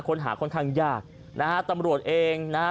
ค่อนข้างยากนะฮะตำรวจเองนะฮะ